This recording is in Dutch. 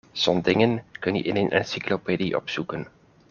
Zo'n dingen kun je in een encyclopedie opzoeken.